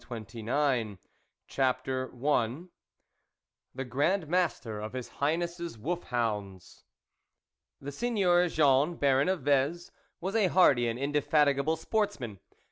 THE WOLF LEADER CHAPTER I THE GRAND MASTER OF HIS HIGHNESS* WOLF HOUNDS Seigneur Jean, Baron of Vez, was a hardy and indefatigable sportsman.